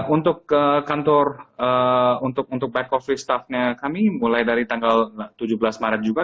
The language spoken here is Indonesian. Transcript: untuk kantor untuk back office staff nya kami mulai dari tanggal tujuh belas maret juga